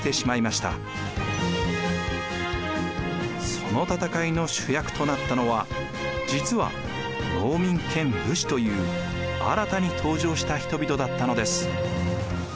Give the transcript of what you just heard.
その戦いの主役となったのは実は農民兼武士という新たに登場した人々だったのです。